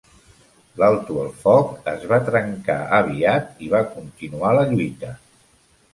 L'alto el foc es va trencar aviat i va continuar la lluita.